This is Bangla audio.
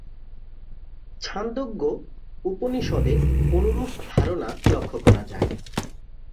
ছান্দোগ্য উপনিষদে অনুরূপ ধারণা লক্ষ করা যয়।